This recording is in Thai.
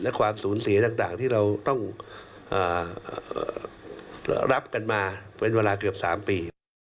และความสูญเสียต่างที่เราต้องรับกันมาเป็นเวลาเกือบ๓ปี